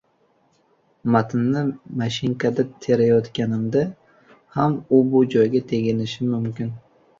Matnni mashinkada terayotganimda ham u-bu joyga teginishim mumkin.